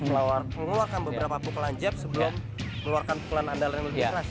mengeluarkan beberapa pukulan jab sebelum mengeluarkan pukulan andalan yang lebih keras